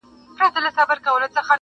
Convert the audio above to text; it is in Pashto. په دې ښار کي په سلگونو یې خپلوان وه.!